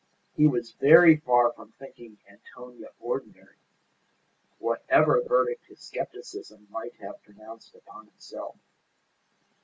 He was very far from thinking Antonia ordinary, whatever verdict his scepticism might have pronounced upon himself.